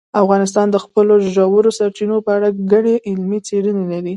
افغانستان د خپلو ژورو سرچینو په اړه ګڼې علمي څېړنې لري.